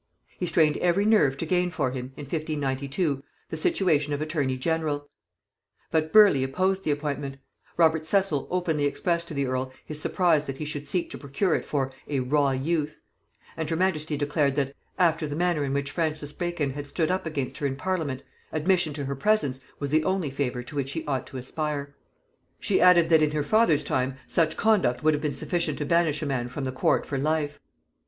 He strained every nerve to gain for him, in 1592, the situation of attorney general: but Burleigh opposed the appointment; Robert Cecil openly expressed to the earl his surprise that he should seek to procure it for "a raw youth;" and her majesty declared that, after the manner in which Francis Bacon had stood up against her in parliament, admission to her presence was the only favor to which he ought to aspire. She added, that in her father's time such conduct would have been sufficient to banish a man the court for life.